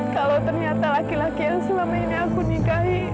kalau ternyata laki laki yang selama ini aku nikahi